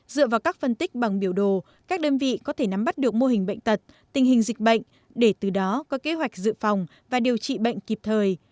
dựa vào các phân tích bằng biểu đồ các đơn vị có thể nắm bắt được mô hình bệnh tật tình hình dịch bệnh để từ đó có kế hoạch dự phòng và điều trị bệnh kịp thời